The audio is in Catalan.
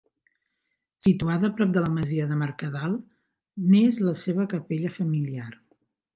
Situada prop de la masia de Mercadal, n'és la seva capella familiar.